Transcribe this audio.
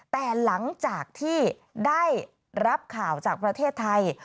แต่หลังจากที่ได้รับข่าวจากประเทศไทย